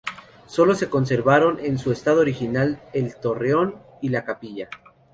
Solo se conservaron en su estado original el torreón y la capilla.